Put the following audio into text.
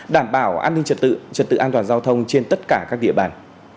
đảm bảo an ninh trật tự trật tự an toàn giao thông trên tất cả các địa bàn